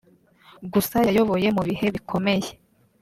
gusa yayoboye mu bihe bikomeye